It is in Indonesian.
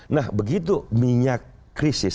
nah begitu minyak krisis